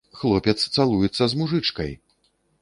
Хлопец цалуецца з мужычкай!